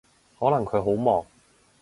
可能佢好忙